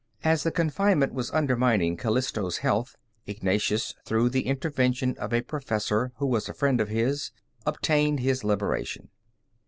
As the confinement was undermining Calisto's health, Ignatius, through the intervention of a professor who was a friend of his, obtained his liberation.